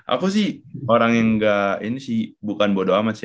aku sih orang yang gak ini sih bukan bodoh amat sih